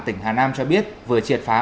tỉnh hà nam cho biết vừa triệt phá